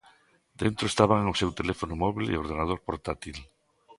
Dentro estaban o seu teléfono móbil e o ordenador portátil.